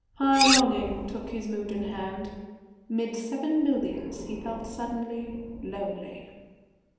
High longing took his mood in hand. Mid seven millions he felt suddenly lonely.